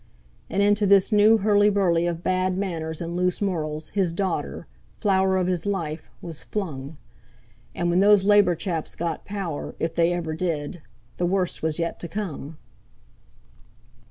And into this new hurly burly of bad manners and loose morals his daughter—flower of his life—was flung! And when those Labour chaps got power—if they ever did—the worst was yet to come.